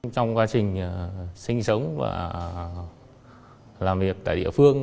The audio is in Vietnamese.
trong quá trình sinh sống và làm việc tại địa phương